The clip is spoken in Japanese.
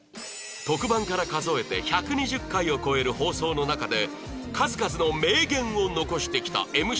特番から数えて１２０回を超える放送の中で数々の名言を残してきた ＭＣ の田中弘中